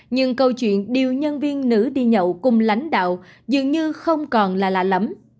nhưng câu chuyện điều nhân viên nữ đi nhậu cùng lãnh đạo dường như không còn là lạ lắm